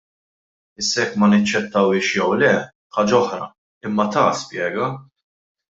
Issa jekk ma naċċettawhiex jew le, ħaġa oħra, imma ta spjega.